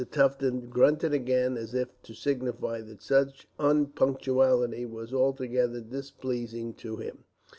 Tufton grunted again as if to signify that such unpunctuality was altogether displeasing to him.